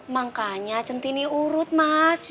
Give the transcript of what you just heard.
makanya cinti nih urut mas